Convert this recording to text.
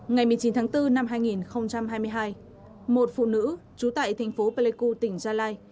ngày một mươi chín tháng bốn năm hai nghìn hai mươi hai một phụ nữ trú tại thành phố pleiku tỉnh gia lai